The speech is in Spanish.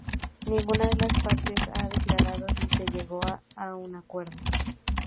Ninguna de las partes ha declarado si se llegó a un acuerdo.